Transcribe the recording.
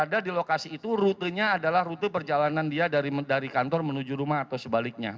ada di lokasi itu rutenya adalah rute perjalanan dia dari kantor menuju rumah atau sebaliknya